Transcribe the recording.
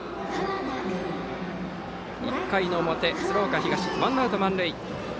１回の表、鶴岡東ワンアウト満塁。